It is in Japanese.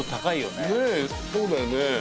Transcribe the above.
ねぇそうだよね。